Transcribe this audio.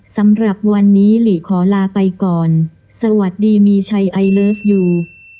สำหรับวันนี้หลีขอลาไปก่อนสวัสดีมีชัยไอเลิฟยู